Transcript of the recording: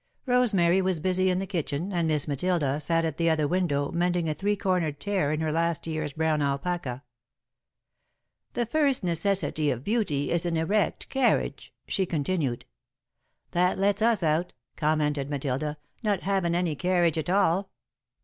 Rosemary was busy in the kitchen, and Miss Matilda sat at the other window mending a three cornered tear in last year's brown alpaca. "'The first necessity of beauty is an erect carriage,'" she continued. "That lets us out," commented Matilda, "not havin' any carriage at all."